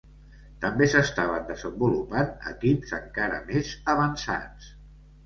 També s'estaven desenvolupant equips encara més avançats.